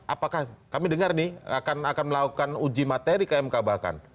apakah kami dengar nih akan melakukan uji materi ke mk bahkan